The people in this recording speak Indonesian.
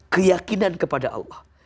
keyakinan kepada allah